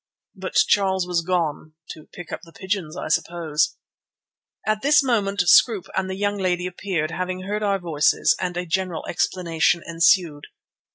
But Charles was gone, to pick up the pigeons, I suppose. At this moment Scroope and the young lady appeared, having heard our voices, and a general explanation ensued.